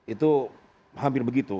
itu hampir begitu